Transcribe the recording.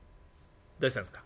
「どうしたんですか？